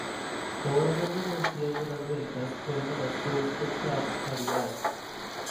Todas las ganancias de las ventas fueron a las Toys for Tots caridad.